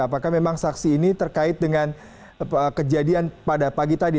apakah memang saksi ini terkait dengan kejadian pada pagi tadi